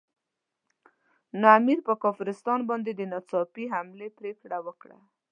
نو امیر پر کافرستان باندې د ناڅاپي حملې پرېکړه وکړه.